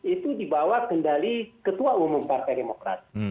itu dibawa kendali ketua umum partai demokrat